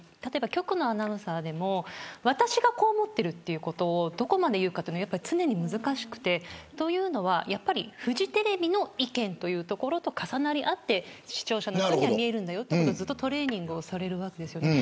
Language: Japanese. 局のアナウンサーでも私がこう思っているということをどこまで言うかは常に難しくてというのはフジテレビの意見というところと重なり合って視聴者の方には見えるんだよとずっとトレーニングをされるわけですよね。